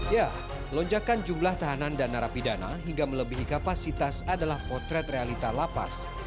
ya lonjakan jumlah tahanan dan narapidana hingga melebihi kapasitas adalah potret realita lapas